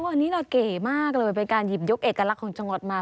วันนี้เราเก๋มากเลยเป็นการหยิบยกเอกลักษณ์ของจังหวัดมา